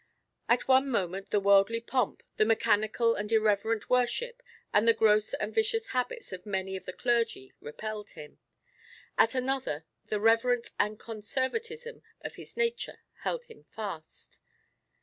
At one moment the worldly pomp, the mechanical and irreverent worship, and the gross and vicious habits of many of the clergy repelled him; at another the reverence and conservatism of his nature held him fast.